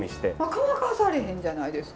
乾かされへんじゃないですか？